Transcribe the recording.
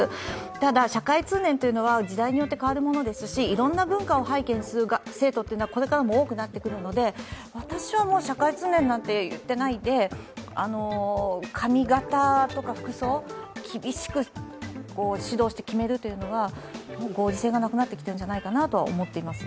ただ社会通念というのは時代によって変わるものですしいろんな文化を背景にする生徒というのはこれからも多くなってくるので私はもう社会通念なんて言ってないで髪形とか服装、厳しく指導して決めるというのは、合理性がなくなってきているんじゃないかなと思います。